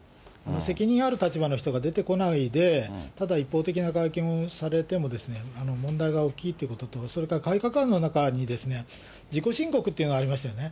責任ある立場の人が出てこないで、ただ一方的な会見をされても、問題が大きいということと、それから改革案の中に、自己申告というのがありましたよね。